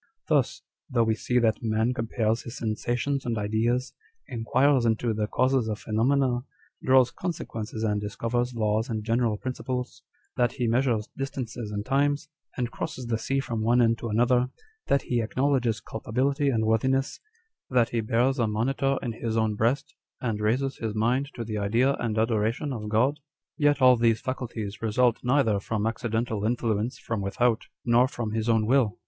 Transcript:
Thus, though we see that man compares his sensations and ideas, inquires into the causes of phenomena, draws consequences and discovers laws and general principles ; that ho measures distances and times, 1 Page 82. On Dr. Spurzheim' s Theory. 199 and crosses the sea from one end to another; that he acknowledges culpability and worthiness ; that he bears a monitor in his own breast, and raises his mind to the idea and adoration of God : â€" yet all these faculties result neither from accidental influence from without, nor from his own will.